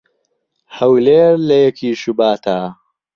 "هەولێر لە یەکی شوباتا"